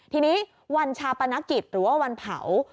ทีนี้วันชาปนกิจหรือว่าวันเผา